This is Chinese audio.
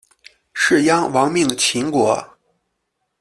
士鞅亡命秦国。